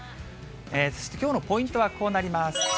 そしてきょうのポイントはこうなります。